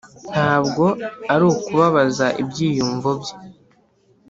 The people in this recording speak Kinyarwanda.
ntabwo ari ukubabaza ibyiyumvo bye);